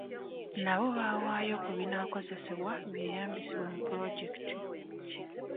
Nabo baawaayo ku binaakozesebwa byeyambisibwe mu pulojekiti.